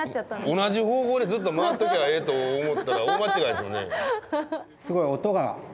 同じ方向でずっと回っときゃええと思ったら大間違いですよね。